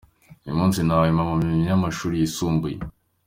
Uyu munsi nahawe impamyabumenyi y’amashuri yisumbuye.